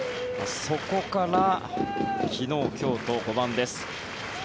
そこから昨日、今日と５番です。